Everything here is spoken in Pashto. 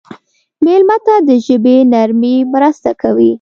مېلمه ته د ژبې نرمي مرسته کوي.